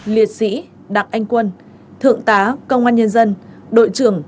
liệt sĩ đặng anh quân thượng tá công an nhân dân đội trưởng